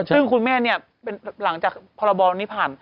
สิ่งคุณแม่หลังจากพอละบอนี้ผ่าน